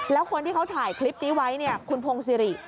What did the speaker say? แล้วคนที่เขาถ่ายคลิปนี้ไว้เนี่ยคุณพงศิริ